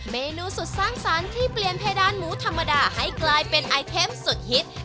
เมนูสุดสร้างสรรค์ที่เปลี่ยนเพดานหมูธรรมดาให้กลายเป็นไอเทมสุดฮิต